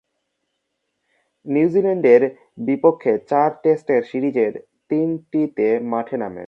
নিউজিল্যান্ডের বিপক্ষে চার টেস্টের সিরিজের তিনটিতে মাঠে নামেন।